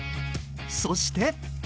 そして。